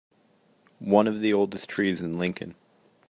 One of the oldest trees in Lincoln.